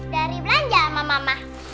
dari belanja sama mama